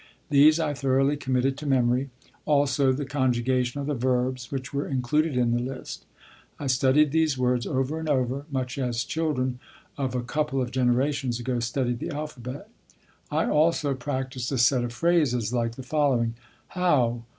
These I thoroughly committed to memory, also the conjugation of the verbs which were included in the list. I studied these words over and over, much as children of a couple of generations ago studied the alphabet. I also practiced a set of phrases like the following: "How?"